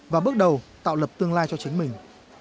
và bước đầu tạo lập tương lai cho chính mình